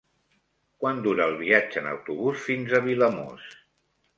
Quant dura el viatge en autobús fins a Vilamòs?